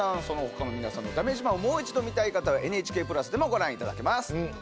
そのほかの皆さんのだめ自慢をもう一度見たい方はＮＨＫプラスでもご覧いただけます。